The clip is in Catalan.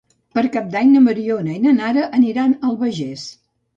Per Cap d'Any na Mariona i na Nara aniran a l'Albagés.